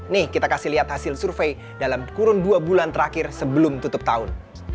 nih kita kasih lihat hasil survei dalam kurun dua bulan terakhir sebelum tutup tahun